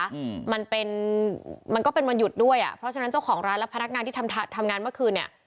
อืมมันเป็นมันก็เป็นวันหยุดด้วยอ่ะเพราะฉะนั้นเจ้าของร้านและพนักงานที่ทำทำงานเมื่อคืนเนี้ย